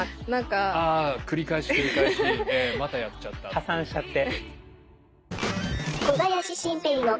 破産しちゃって。